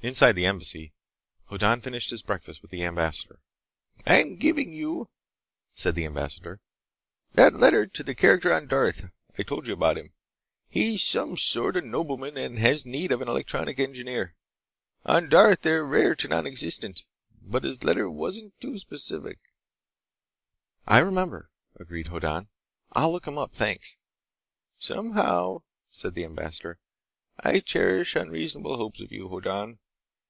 Inside the Embassy, Hoddan finished his breakfast with the ambassador. "I'm giving you," said the ambassador, "that letter to the character on Darth. I told you about him. He's some sort of nobleman and has need of an electronic engineer. On Darth they're rare to nonexistent. But his letter wasn't too specific." "I remember," agreed Hoddan. "I'll look him up. Thanks." "Somehow," said the ambassador, "I cherish unreasonable hopes of you, Hoddan.